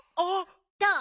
どう？